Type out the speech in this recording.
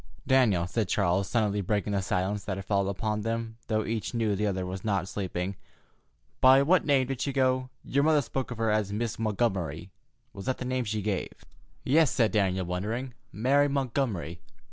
"Daniel," said Charles, suddenly breaking the silence that had fallen upon them, though each knew the other was not sleeping, "by what name did she go? Your mother spoke of her as Miss Montgomery. Was that the name she gave?" "Yes," said Daniel, wondering; "Mary Montgomery."